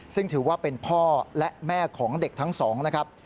ซึ่งถือว่าเป็นพ่อและแม่ของเด็กทั้งสองนะครับ